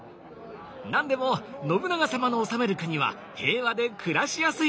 何でも信長様の治める国は平和で暮らしやすいらしい。